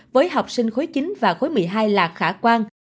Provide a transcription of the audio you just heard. với học sinh khối chín và khối một mươi hai là khả quan